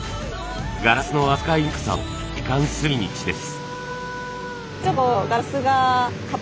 ガラスの扱いにくさを実感する毎日です。